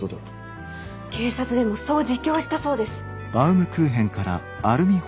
警察でもそう自供したそうです。